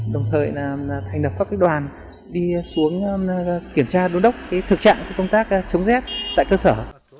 đồng thời thành đập các đoàn đi xuống kiểm tra đôn đốc thực trạng công tác chống rét tại cơ sở